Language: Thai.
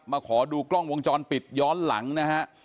มาขอดูกล้องวงจรปิดย้อนหลังนะฮะ